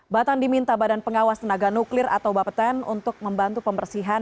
batan diminta badan pengawas tenaga nuklir atau bapeten untuk membantu pembersihan